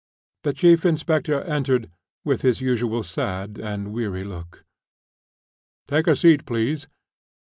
The chief inspector entered, with his usual sad and weary look. "Take a seat, please.